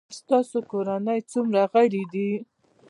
ستا د کورنۍ څومره غړي دي؟